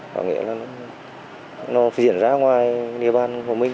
có nghĩa là nó diễn ra ngoài địa bàn của mình